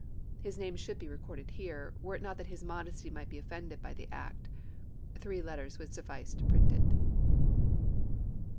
His name should be recorded here, were it not that his modesty might be offended by the act. (Three letters would suffice to print it.)